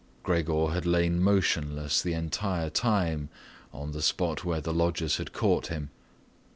Gregor had lain motionless the entire time in the spot where the lodgers had caught him.